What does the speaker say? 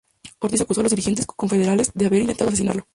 Ortiz acusó a los dirigentes confederales de haber intentado asesinarlo.